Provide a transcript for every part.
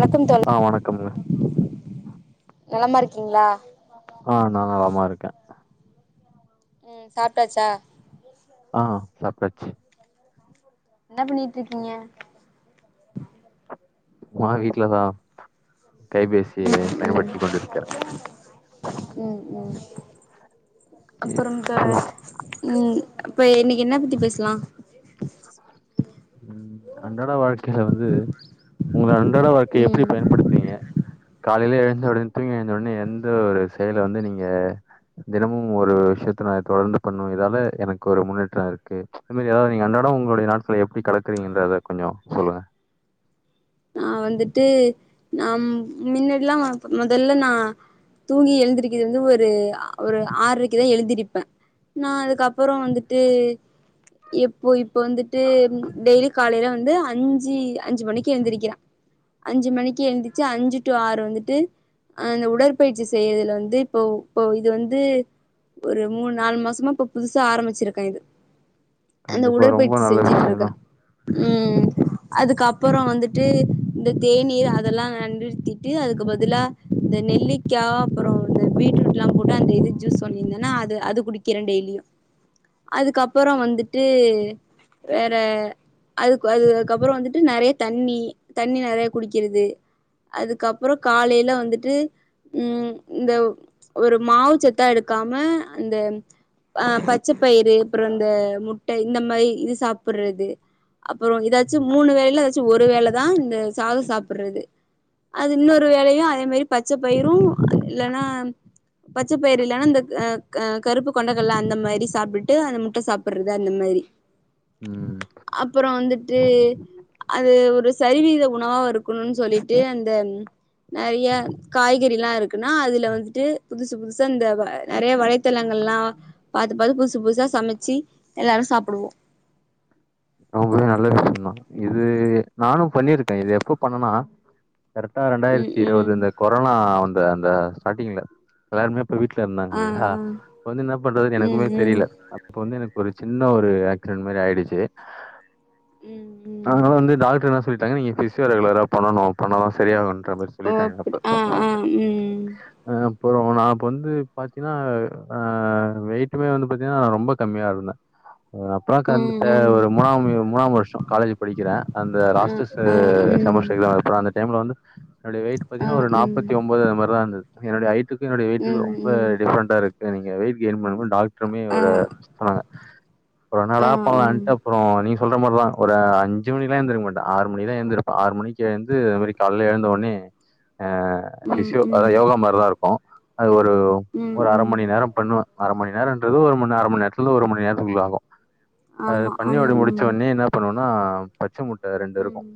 வணக்கம் தோழி ஆ வணக்கம்ங்க நலமா இருக்கீங்ளா ஆ நான் [inaudible] உம் சாப்ட்டாச்சா ஹா சாப்டாச்சு என்ன பண்ணிட்டு இருக்கீங்க சும்மா வீட்ல தான் கைபேசியே ம் ம் பயன்படுத்தி கொண்டிருக்கிறன் ம் ம் அப்புறம் தோழர் உம் அப்ப இன்னைக்கு என்ன பத்தி பேசலாம் து உங்கள அந் ன்றாட வாழ்க்கைய எப்டி ம் பயன்படுத்துவீங்க காலையில எழுந்த உடனே தூங்கி எழுந்த உடனே எந்த ஒரு செயல வந்து நீங்க தினமும் ஒரு விஷயத்த ந தொடர்ந்து பண்ணணும் இதால எனக்கு ஒரு முன்னேற்றம் இருக்கு ச் மாரி ஏதாது நீங்க அன்றாடம் உங்களுடைய நாட்கள எப்படி கெடக்குறீங்கன்றத கொஞ்சம் சொல்லுங்க நான் வந்துட்டு நம் மின்னாடில்லாம் முதல்ல நான் தூங்கி எழுந்திருக்கிறது வந்து ஒரு ஒரு ஆர்ரைக்குதான் எழுதிருப்பேன் நான் அதுக்கப்புறம் வந்துட்டு எப்போ இப்போ வந்துட்டு டெய்லி காலையில வந்து அஞ்சு அஞ்சு மணிக்கு எழுந்திருக்கிறான் அஞ்சு மணிக்கு எழுந்துச்சு அஞ்சு டு ஆறு வந்துட்டு அஹ் அந்த உடற்பயிற்சி செய்யறதுல வந்து இப்போ இப்போ இது வந்து ஒரு மூணு நாலு மாசமா இப்ப புதுசா ஆரம்பிச்சிருக்கேன் இது கண்டிப்பா ரொம்ப நல்ல விஷய தான் உம் அதுக்கப் அப்புறம் வந்துட்டு இந்த தேநீர் அதெல்லாம் நிறுத்திட்டு அதுக்கு பதிலா இந்த நெல்லிக்கா அப்புறம் இந்த பீட்ரூட் எலாம் போட்டு அந்த இது ஜூஸ் சொல்லியிருந்தேன்னா அது அது குடிக்கிறேன் டெய்லியும் அதுக்கப்புறம் வந்துட்டு வேற அது அது அதுக்கப்புறம் வந்துட்டு நிறைய தண்ணி தண்ணி நிறைய குடிக்கிறது அதுக்கப்புறம் காலையில வந்துட்டு உஹம் இந்த ஒரு மாவுச்சத்தா எடுக்காம அந்தஹ பச்ச பயிறு அப்புறம் இந்த முட்ட இந்த மாரி இது சாப்படுறது அப்புறம் ஏதாச்சும் மூணு வேல்ல ச்சு ஒரு வேலதான் இந்த சாதம் சாப்பிடுறது அது இன்னொரு வேலையும் அதே மாரி பச்ச பயிரும் இல்லன்னா பச்ச பயிர் இல்லன்னா இந்தஹ கருப்பு கொண்டகல்ல அந்த மாரி சாப்பிட்டு அந்த முட்ட சாப்பிடுறது அந்த மாரி உம் இந்த ஒரு சரிவீத உணவா இருக்கணும்னு சொல்லிட்டு அந்த நிறைய காய்கறில்லாம் இருக்குன்னா அதுல வந்துட்டு புதுசு புதுசா அந்த வா நிறைய வளைத்தளங்களான் பாத்து பாத்து புதுசு புதுசா சமைச்சு எல்லாரும் சாப்புடுவோம் ரொம்பவே நல்ல விஷயம்தான் இது நானும் பண்ணிருக்கேன் இது எப்ப பண்ணனா கரட்டா ம் இரண்டாயிரத்தி ம் இருவதுல கொரோனா வந் அது அந்த ஸ்டார்டிங்ல எல்லாருமே இப்ப வீட்டுல இருந்தாங்க ஆ இல்லைங்களா ஆ அப்ப வந்து என்ன பண்றதுன்னு ம் எனக்குமே ம் தெரியல அப்ப வந்து எனக்கு ஒரு சின்ன ஒரு ஆக்சிடென்ட் மாரி ஆயிடுச்சு ம் ம் ஆஹ வந்து டாக்டர் என்ன சொல்லிட்டாங்கன நீங்க பிசியோ ரெகுலரா பண்ணணும் பண்ணதான் சரியாவுனு ஓ ஆஹ் ஆஹ் உம் அப்புறோம் நா அப்ப வந்து பாத்தீனா அஹ் வெயிட்டுமே வந்து பாத்தீனா ந ரொம்ப கம்மியா இருந்தேன் அப்பலா ம் கறந்துட ம் ஒரு மூணாம் வி மூணாம் வருஷம் காலேஜ் படிக்கிறே அந்த ஆ லாஸ்டு செ ஆ ம் செமஸ்டர் [unintelligible] அந்த டைம்ல வந்து என்னுடைய வெயிட் ஆ பாத்தீங்னா ஒரு ம் நாப்பத்திஒம்போது அது மாரிதா இருந்துது என்னுடைய ஹட்டுக்கு என்னுடய வெயிட்டுக்கு ம் ரொம்ப ம் டிஃரண்டா இரு இல்ல நீங்க வெய்ட் கெயின் பண்ணனும் டாக் ட்ருமே ஆ ஒரு சொன்னாங்க கொரோனால ஆ ஆ [unintelligible] நீ சொல்ற மாரிதா ஒரு அஞ்சுமணிகலா எந்திருக்கமாட்ட ஆறு மணிக்குதா எழுந்திருப்ப ஆறு மணிக்கு எழுந்து அது மாரி கால எழுந்த ஒடனே ஆஹ் ம் பிசியோ அதா ம் யோகா மாரிதா இருக்கோ ஒரு ம் ஒரு அர ம் மணி நேரம் பண்ணுவே அர மணி நேரன்றது ஒரு மணி அர மணி நேரத்துலருந்து ஒரு மணி நேரத்துக்குல்ல ஆகோ ஆமா அம் பண்ணியோட முடிச்சவுனே என்ன பண்ணு ஆனா பச்ச முட் ட ரெண்டு இருக்கோ ம்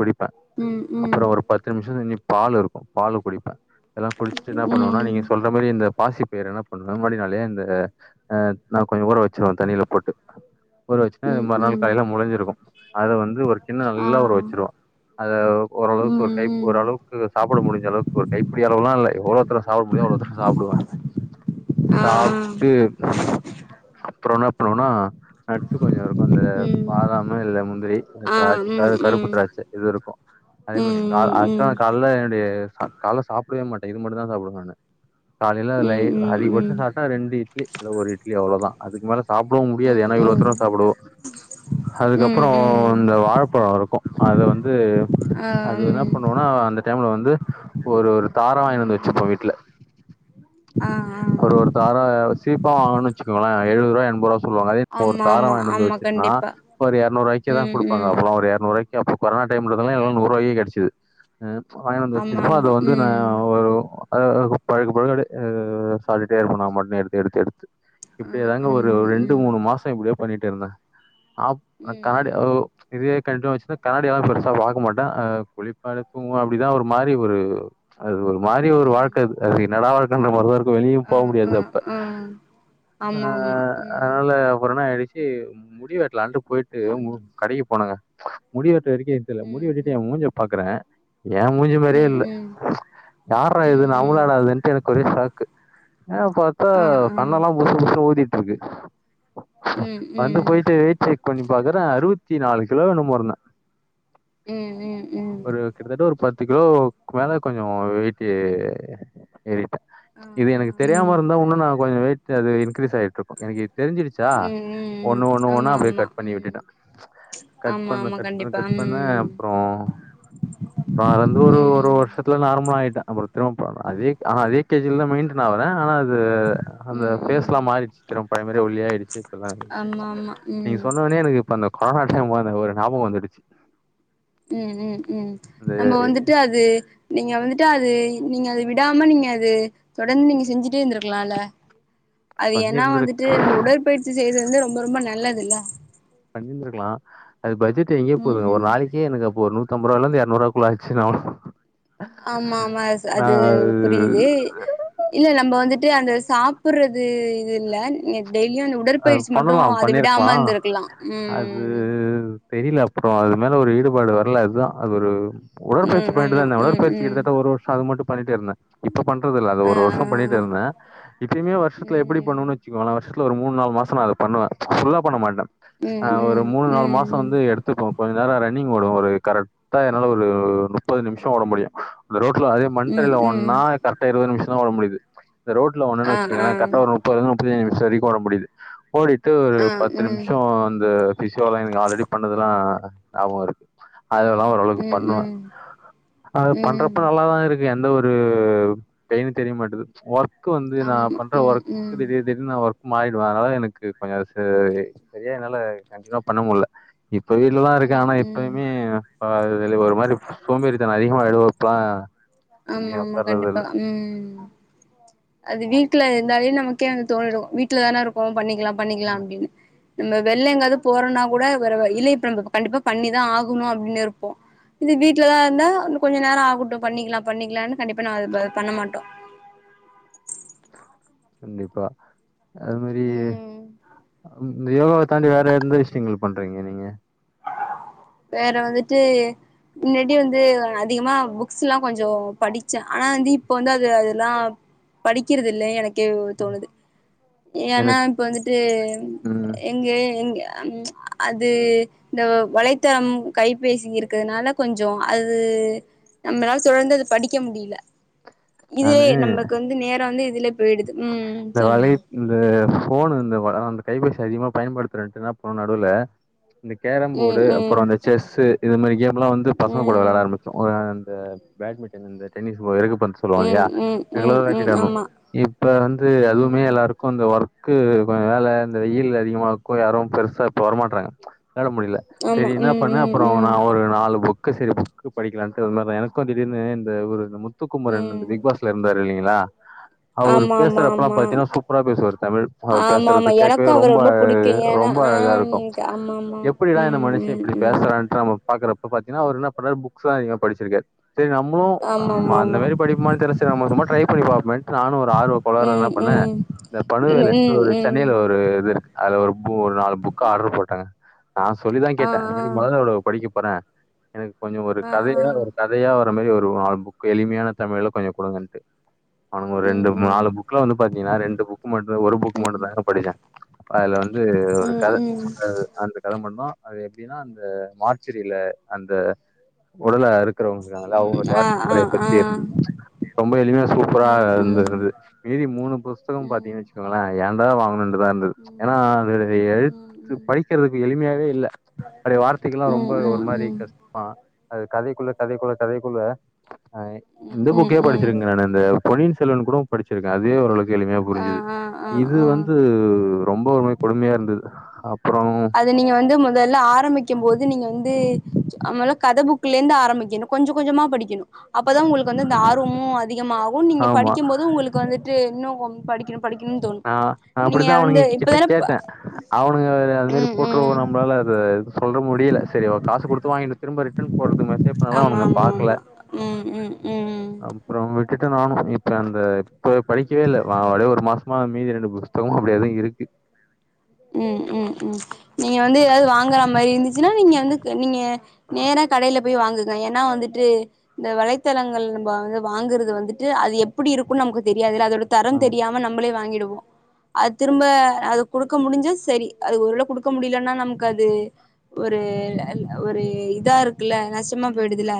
குடிப்பே ம் ம் அப்பறோ வந்து ஒரு பத்து நிமிஷதுக்கு நீப் பால் இருக்கோ பால் குடிப்பே எல்லா குடிச்சிட்டு நா ம் பண்ணுவேனா நீங்க ம் சொன்ன மாரியே இந்த பாசி பயர் நா பண்ணுவ முன்னாடி நாலே அந்த அஹ் நா கொஞ்ச கூர வச்சிருவே தண்ணியில போட்டு ஊர வச்சுனா ம் மறுநாள் ம் காலையில மோளஞ்சிருகோ அத வந்து ஒரு கின ஆ நல்லா ஒரு உரவச்சுருவே அத ஓரளவுக்கு ம் ஒரு கை ம் ஓரளவுக்கு சாப்புட முடிஞ்ச அளவுக்கு ஒரு கைப்பிடி அளவுலா இல்ல எவ்ளோகொள்ள சாப்ட முடியுதோ அவ்ளோத சாப்டுவே ஆ ஆ சாப்ட்டு அப்றோன அனா நட்சு கொஞ்ச இருக்கு அந்த ம் பாதாமு இல்ல முந்திரி கொஞ்ச ஆ திராட்ச ம் அது கருப்பு ம் திராட்ச இது இருக்கு ம் ம் ம் ம் ம் அதுமாரி ம் அடுத்த நாள் கால்ல என்னுடய கால்லா சாப்ப [unintelligible] மாட்டே இது மட்டோதா சாப்டுவோ நானு காலையில இல அதிகபட்ச சாப்டா ரெண்டு இட்லி இல்ல ஒரு இட்லி அவ்ளோதா அதுக்கு மேல சாப்டவும் ம் முடியாது எனா இவளோ ம் அப்ரோ சாப்டுவோ அதுக்கப்றோ ம் ம் இந்த வாழப்பழ இருக்கோ அது வந்து ஆ அது என்னா ம் பண்னோனா அந்த டைம்ல வந்து ஒரு ஒரு தாரா வாங்கினு வந்து ம் வச்சுப்பே வீட்ல ஆ ஆ ஒரு ஒரு தாரா சீப் [unintelligible] வாங்கன்னோ வச்சுக்கோங்ளே எழுவரூபா எம்பரூபா சொல்லுவாங்க ஒரு ஆமா தாரா ஆமா வாங்கினுவந்து ஆமா வச்சுட்னா கண்டிப்பா ஒரு எரனூறுபாய்க்கு தா ம் குடுப்பாங்க ம் அப்றோ ஒரு இருரூறுபாய் எப்போ கொரோனா டைம்லதெல்ல எல்லா நூருபாய்க்கு கெடச்சது அ வாங்கினு வந்து ஆமா வச்சிருப்பே அத ஆமா வந்து நா ம் ஒ [unintelligible] அதது பழகு பழக அப்டே சாப்பிடுட்டே இருப்பே நாமட்டோ எடுத்து எடுத்து எடுத்து ஆ இப்டியேதாங்க ஒரு ஆமா ரெண்டு ம் மூணு மாச அப்டியே பண்ணிட்டேருந்தேன் ஆஹ் காடு ம் ஓ இதே [unintelligible] காடு யாருன்னு பெருசா பாக்க மாட்டே புளிப்பா இருக்கும் அப்டிதான் ஒரு மாரி ஒரு அது ஒரு மாறி ஒரு ம் ம் வாழ்க்க அது என்னடா வாழ்க் அந்த மாறிதாஇருக் வெளியும் ஆ போக ஆ முடியாது அப்ப ஆ ஆ ஆமா ஆமா ம் அதனால ஆயிடுச்சு முடி வெட்டலான்னுட்டு போயிட்டு ம் கடைக்கு போனங்க முடி வெட் இது வரைக்கும் ஏதும் தெரில ம் முடி வெட்டிட்டு ம் என் மூஞ்ச பாக்குறேன் ஏன் மூஞ்சு மாறியே இல்ல ம் யார்ரா ம் இது ம் நம்மளா ம் டா இதுன்னுட்டு எனக்கு ஒரே ஷாக்கு ஆ பாத்தா ஆ ஆ கண்ணெலாம் புசு புசு ஊதி [unintelligible] ம் ம் வந்து போயிட்டு வீச்சு கொஞ்சி பாக்குறேன் அறுபத்தி நாலு கிலோ என்னமோ இருந்தேன் ம் ம் ம் ஒரு கிட்டத்தட்ட ஒரு பத் பத்து கிலோக்கு மேலே கொஞ்சம் வெயிட்டு ஏறிட்டேன் ஆ ஆ இது எனக்கு தெரியாம ம் இருந்தா இன்னும் நான் கொஞ்சே வெயிட் அது இன்கிரீஸ் ஆயிருக்கும் எனக்கு தெரிஞ்சு சா ம் ம் ம் ஒண்ணு ஒண்ணு ஒண்ணா ஆமா அப்டியே ஆமா கட் பண்ணி ம் விட்டுட்டேன் கட் ஆமா பண்ண ஆமா கட் பண்ண கண்டிப்பா கட் பண்ண ம் அப்றோ அதுலந்து ஒரு ஒரு ம் வருஷத்துல நார்மல் ஆயிட்டா அப்றோ திரும்ப அதே ஆன அதே கேஜில தான் மெயின்டன் ஆவுறேன் ஆனா அது உஹ் அந்த ம் ம் பேஸ்லாம் மாறிடுச்சு திரும்ப பழைய மாரி ஒல்லியாயிடுச்சு ஆமா ஆமா நீங்க ம் சொன்னோனே எனக்கு இப்ப அந் இந்த கொரோனா டைம்ல ஒரு ஞாபகம் வந்துடுச்சு உம் உம் உம் அந்த நம்ம வந்துட்டு அது நீங்க வந்துட்டு அது நீங்க அது விட் விடாம நீங்க அது தொடர்ந்து நீங்க செஞ்சுட்டே இருந்திருக்கலால அது ஏன்னா வந்துட்டு பண்ணியிருந்திருக் நம்ம உடற்பயிற்சி செய்தது வந்து ரொம் ரொம்ப ரொம்ப நல்ல பண்ணிருந்திருக்கலாம் அது பட்ஜெட் எங்கயோ போதுங்க ஒரு ம் நாளைக்கே எனக்கு அப்போ ஒரு நூத் நூத்தம்பதுரூபாயிலந்து இருநூறுவாக்குள்ள ஆயிடுச்சு ஆமா ஆமா அது புரியுது இல்ல நம்ம வந்துட்டு அந்த சாப் ப்புறது இது இல்ல டெய்லியும் அந்த அது உடற்பயிற்சி மட்டும் பண்ணலாம் அதை விடாம பண்ணிருக்கலாம். இருந்திருக்கலாம் அது உம் தெரியல அப்றோம் அது மேல ஒரு ஈடுபாடு வரல அது தான் அது ஒரு உடற்பயிற்சி ம் பண்ணிட்டு தான் ஆமா இருந்தேன் ம் உடற்பிற்சி ம் கிட்டத்தட்ட ஒரு வருஷம் அது மட்டும் பண்ணிட்டு இருந்தேன் இப் இப்ப பண்றதுல்ல அது ஆ ஒரு ஆ வருஷம் பண்ணிட்டு இருந்தேன் இப்பயுமே வருஷத்ல எப்டி பண்ணும்னு வச்சுக்கோவ வருஷ ஒரு மூணு நாள் மோசமா இது பண்ணுவே ஃபுல்லா பண்ண மாட்டேன் ஆஹ் ம் ஒரு மூணு நாலு மாசம் வந்து எடுத்துப்போம் கொஞ்சே நேர ரன்னிங் ஓடுவன் ஒரு கரெக்டா என்னால ஒரு முப்பது நிமிஷம் ஓட முடியும் அந்த ரோட் ல அதே மண் ம் ம் ம் ம் ம் தரயில ம் ஓடுன கரட்ட இருவது நிமிஷ் ம் ஒட முடியுது இந்த ரோட்ல ஒடுனே ஆ ஆ வச்சிங்களே கரெக்டா ஒரு நுப்பது நுப் இப்பே இனி சரிபண்ண முடியுது ஓடிட்டு ஒரு ஆ பத்து ம் நிமிஷம் அந்த பிசியோல எனக் ஆல்ரெடி பண்ணுது எல்லா அ ஞாபகம் இருக் அதெல்லா ம் ஓரளவுக் ம் பண்ணுவேன் ம் அது ம் பண்றப்ப நல்லாதா இருக் இது எந்த ஒரு பெயின் தெரிய மாட்டேது ஒர்க் க்கு வந்து நா ஆமா பண்ற ம் ம் ஒர்க்கு திடீர் திடீர்னு ஒர்க் மாறி ரு அதனால எனக்கு கொஞ்ச ச சரியா என்னால கன்டினுவா பண்ண முடில இ ப்ப வீட்லதா இருக்கே ம் ஆனா ம் இப்பயுமே பா அது செரி ஒரு மாரி சோம்பேறித்தன அதிகமா [unintelligible] ஆமா வெளிய ஆமா உக்காறது கண்டிப்பா இல்ல உம் அது வீட்ல இருந்தாலே நமக்கே வந்து தோணிடு வீட்லதானே இருக்கோ பண்ணிக்லா பண்ணிக்லா அப்டின் இந்த வெள்ள எங்காவுது போறோனா கூட வேற வழி இல்ல இப்ப நம்ம கண்டிப்பா பண்ணிதா ஆகணு அப்டின்னு இருப்போ இது வீட்லதா இருந்தா இன்னு கொஞ்ச நேரோ ஆகட்டு பண்ணிக்கலா பண்ணிக்லானு கண்டிப்பா நா இப்ப பண்ண மாட்டோ கண்டிப்பா அது மாரி ம் இந்த யோகாவ தாண்டி வேற எந்த விஷ்யங்கள் பண்றீங்க நீங்க வேற வந்துட்டு மின்னாடி வந்து அதிகமா புக்ஸ்லா கொஞ்சோ படிச்சே ஆனா வந்து இப்ப வந்து அது அதெல்லா படிக்கறது இல்ல எனக் கேவு தோணுது ஏன்னா எனக்கு இப்ப வந்துட்டு ம் எங்க எங்க அந் அது இந்த வலைத்தளம் கைபேசி இருக்கிறதுனால கொஞ்ச அது நம்மளால் தொடர்ந்து அத படிக்க முடியல இதே நானு நமக்கு வந்து நேரோ வந்து இதுலயே போயிடுது உம் இந்த சொல்லுங்க வலை இந்த ஃபோனு இந்த அந்த கைபேசி அதிகமா பயன்படுத்துறேன்ட்டு என்னா பண்ணுன நடுவுல இந்த கேரம் ம் போர்டு ம் அப்புறோ அந்த செஸ்ஸு இது மாரி கேம் லா வந்து பசங்க கூட ம் வெளையாட ஆரம்பிச்சோ [unintelligible] இந்த பேட்மிண்டன் இந்த டென்னிஸ் பால் இறகுபந்து சொல்லுவாங்க இல்லையா ம் ம் ம் ரெகுலராயிட்டு ம் தரணும் ஆமா இப்ப வந்து அதுவுமே ம் எல்லாருக்கு அந்த ஒர்க் கு கொஞ்ச நாளா இந்த வெயில் அதிகமா இருக்கவு யாரும் பெருசா இப்ப வரமாட்டறாங்க வெளாட முடியல ஆமா சரி என்னா ம் பண்ணே ம் அப்புறோ நா ம் ஒரு நாலு பு க்கு செரி புக்கு படிக்கலான்ட்டு இந்த மார எனக்கு திடீர்னு இந்த ஒரு மு த்துக்குமரன் ம் பிக் பாஸ்ல இருந்தார் ரு இல்லைங்களா அவுரு ஆமா ஆமா பேசுறப்பல்லா ஆமா பாத்தீங்கன்னா சூப்பரா பேசுவார் தமிழ் அவர் ஆமா ஆமா பேசுறது கேக்கவே எனக்கு அவர ரொம்ப புடிக்கு அழ் ஏன்னா ரொம்ப ஆ அழகா இருக்கும் ஆமா ஆமா எப்படிடா இந்த ம் மனுஷ ம் இப்டி ம் பேசுறான்ட்டு நம்ம பாக்குறப்ப பாத்தீங்கன்னா அவரு என்ன பண்ணாரு புக்ஸ்லா அதிகமா படிச்சிருக்காரு சரி நம்மளு ஆமா நம்ம ஆமா அந்த ஆமா மாரி படிப்பமான்னு தெரில சரி நம்ம சும்மா ட்ரை பண்ணி பாப்போமேனு நானு ஒரு ஆர்வ கோளாறுல என்ன ம் ம் ம் பண்ணே ம் இந்த [unintelligible] ஒரு சென்னையில ஒரு இது இருக்கு அதுல ஒரு பு ஒரு நாலு புக்கு ஆர்ட்ரு போட்டே ஆஹ நான் சொல்லிதான் கேட்டேன் ஆ இத ஆ முததடவ படிக்க அப்புறம் எனக்கு கொஞ்சம் ஒரு ஆ ஆ கதையா ஒரு கதையா மாதிரி ஒரு புக்கு எளிமையான தமிழ்ல கொஞ்சம் கொடுங்கன்ட்டு அவனுங்க ஒரு ம் ரெண்டு நாலு ம் புக்லாம் வந்து பாத்தீங்கன்னா ரெண்டு புக்கு மட்டும் ஒரு புக்கு மட்டும தாங்க படிச்சான் அப்ப அதுல வந்து ஒரு கதை ம் அந்த கதை மட்டு்தான் அது எப்படின்னா அந்த மார்ச்சரியில அந்த உடலை இருக்கிறவங்காள அவுங்க ம் ம் ஆ ஆ கதைய ஆ பற்றி இருந்தது ரொம்ப எளிமையா சூப்பரா ம் ம் ம் இருந்தருது மீறி மூணு புஸ்தகம் பாத்தீங்கன்னு வச்சுக்கோங்களேன் ஏன்டா வாங்கணும் இருந்தது ஏன்னா அதத எழுத்து படிக்கிறதுக்கு எளிமையாவே இல்ல அப்படியே வார்த்தைக்குல்லாம் ரொம்ப ம் ம் ம் ம் ஒரு ம் மாதிரி கஷ்டாம அது கதை குள்ள கதை குள்ள கதை குள்ள இந்த ம் ம் புக்கே ம் ம் படிச்சிருங்க நானே அந்த பொனின் செல்வன் கூட படிச்சிருக்கேன் அதுவே ஓரளவுக்கு எளிமையா ஆ புரிஞ்சுது ஆ ஆ இது ஆ வந்து ரொம்ப ஒரு மாரி கொடுமையா இருந்தது அப்புறோ அது நீங்க வந்து முதல்ல ஆரம்பிக்கும் போது நீங்க வந்து கதை புக்ல இருந்து ஆரம்பிக்கணும் கொஞ்சம் கொஞ்சமா படிக்கணும் அப்பதான் உங்களுக்கு வந்து இந்த ஆர்வமும் அதிகமாகும் நீங்க ஆமா படிக்கும் போது உங்களுக்கு வந்து இன்னும் படிக்கண படிக்கணுனு தோணு ஆஹ் நீங்க அப்படித்தான் அவனுங்க கிட்ட இப்பதான கேட்டேன் அவனுங்க அது மாதிரி ம் போட்டு ம் நம்மளால அது சொல்ல முடியல சரி காசு கொடுத்து வாங்கிட்டு திரும்ப ரிட்டன் போடுறது மெசேஜ் பண்ணாலாம் ஆமா அவனுங்க ஆமா பாக்கல ஆமா ம் ம் ம் அப்புறம் கிட்டு நானும் இப்ப அந்த இப்ப படிக்கவே இல்லை அவ ஒரு மாசம் மீதி ரெண்டு புத்தகம் அப்படியதான் இருக்கு உம் உம் உம் நீங்க வந்து ஏதாவது வாங்கற மாதிரி இருந்து என்னா நீங்க வந்து நீங்க நேரா கடையில போய் வாங்குங்க ஏன்னா வந்துட்டு இந்த வளைத்தளங்கள் நம்ம வந்து வாங்குறது வந்துட்டு அது எப்படி இருக்கும் நமக்கு தெரியாது அத ஆ தரம் தெரியாம நம்மளே வாங்கிடுவோம் அது திரும்ப அது குடுக் க்க முடிஞ்ச சரி அது ஒருவேளை கொடுக்க முடியலன்னா நமக்கு அது ஒரு ஒரு இதா இருக்கு ல்ல நாசமா போயிடுதுல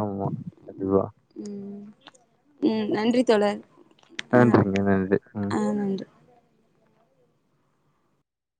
ஆமா கண்டிப்பா உம் உம் நன்றி தோழர் நன்றிங்க நன்றி உம் ஆ நன்றி